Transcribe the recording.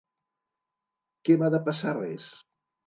Que m'ha de passar res?